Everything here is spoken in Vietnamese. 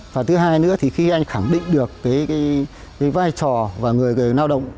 và thứ hai nữa khi anh khẳng định được vai trò và người lao động